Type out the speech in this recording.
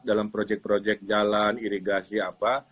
dalam proyek proyek jalan irigasi apa